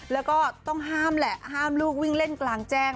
แล้วก็ต้องห้ามแหละห้ามลูกวิ่งเล่นกลางแจ้ง